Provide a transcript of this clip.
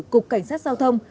cục cảnh sát giao thông